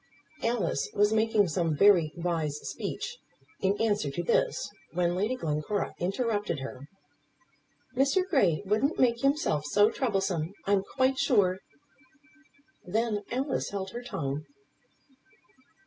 Alice was making some very wise speech in answer to this, when Lady Glencora interrupted her. "Mr. Grey wouldn't make himself so troublesome, I'm quite sure." Then Alice held her tongue.